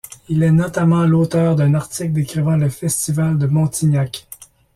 Il est notamment l'auteur d'un article décrivant le Festival de Montignac.